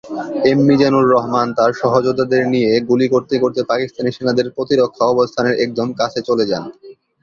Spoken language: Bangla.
এম মিজানুর রহমান তার সহযোদ্ধাদের নিয়ে গুলি করতে করতে পাকিস্তানি সেনাদের প্রতিরক্ষা অবস্থানের একদম কাছে চলে যান।